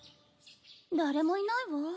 誰もいないわ。